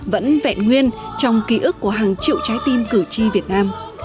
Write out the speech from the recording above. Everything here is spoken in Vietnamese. vẫn vẹn nguyên trong ký ức của hàng triệu trái tim cử tri việt nam